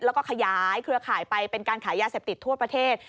แล้วก็ขยายเครือข่ายไปเป็นการขายยาเสพติดทั่วประเทศ